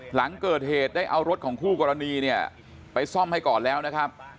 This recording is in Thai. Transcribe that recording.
หลังเกิดเหตุได้เอารถของคู่กรณีเนี่ยไปซ่อมให้ก่อนแล้วนะครับ